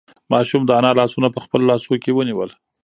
ماشوم د انا لاسونه په خپلو لاسو کې ونیول.